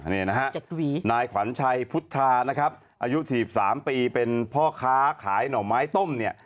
นี่นะฮะนายขวัญชัยพุทธานะครับอายุ๔๓ปีเป็นพ่อค้าขายหน่อไม้ต้มเนี่ย